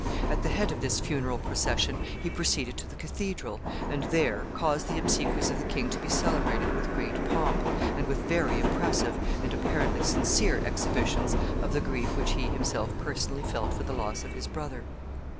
At the head of this funeral procession he proceeded to the Cathedral, and there caused the obsequies of the king to be celebrated with great pomp, and with very impressive and apparently sincere exhibitions of the grief which he himself personally felt for the loss of his brother.